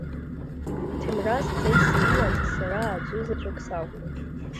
Ҭемраз ҵеис имаз сара аӡәзаҵәык сакәын.